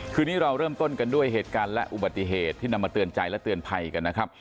คืนนี้เราเริ่มต้นกันด้วยเหตุการณ์และอุบัติเหตุที่นำมาเตือนใจและเตือนภัยกันนะครับ